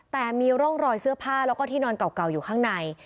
แต่มีร่องรอยเสื้อผ้าแล้วก็ที่นอนเก่าอยู่ข้างใน